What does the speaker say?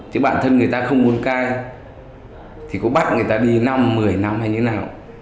chứ bản thân người ta không muốn cai thì có bác người ta đi năm một mươi năm hay như nào